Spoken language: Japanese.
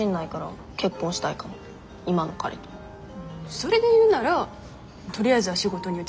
それで言うならとりあえずは仕事に打ち込むかな。